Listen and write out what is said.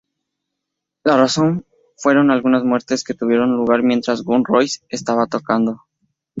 La razón fueron algunas muertes que tuvieron lugar mientras Guns N' Roses estaban tocando.